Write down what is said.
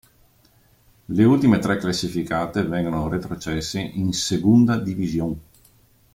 Le ultime tre classificate vengono retrocesse in Segunda División.